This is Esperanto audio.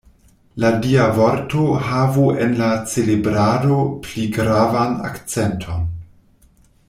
La Dia Vorto havu en la celebrado pli gravan akcenton.